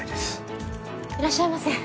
いらっしゃいませ。